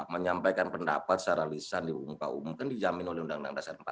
menyampaikan pendapat secara lisan di muka umum kan dijamin oleh undang undang dasar empat puluh lima